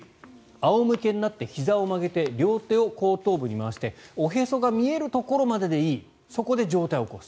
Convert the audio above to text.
仰向けになって、ひざを曲げて両手を後頭部に回しておへそが見えるところまででいいそこで上体を起こす。